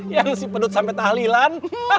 yang si pedut sampe tahlilan